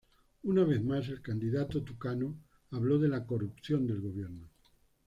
Una vez más, el candidato tucano habló de la corrupción del Gobierno.